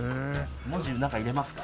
文字なんか入れますか？